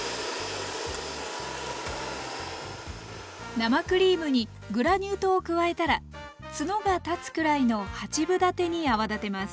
生クリームにグラニュー糖を加えたらツノが立つくらいの八分立てに泡立てます。